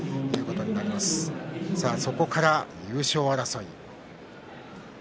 そこから優勝争い。